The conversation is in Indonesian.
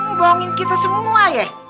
mau bohongin kita semua ya